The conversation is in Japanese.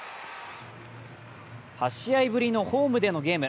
８試合ぶりのホームでのゲーム。